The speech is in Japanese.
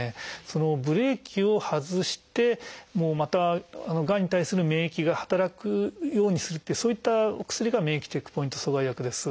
そのブレーキを外してまたがんに対する免疫が働くようにするというそういったお薬が免疫チェックポイント阻害薬です。